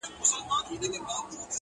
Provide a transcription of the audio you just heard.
o د سړیو سره خواته مقبره کي,